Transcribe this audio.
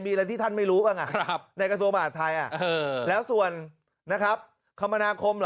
มีอะไรที่ท่านไม่รู้บ้างในกระทรวงมหาดไทยแล้วส่วนนะครับคมนาคมเหรอ